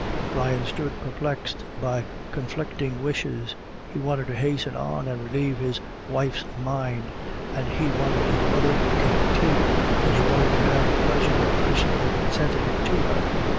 Brian stood perplexed by conflicting wishes. He wanted to hasten on and relieve his wife's mind, and he wanted his mother to get her tea, and he wanted to have the pleasure of personally presenting it to her.